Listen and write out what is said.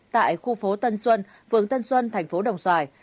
tại khu phố tân xuân phường tân xuân thành phố đồng xoài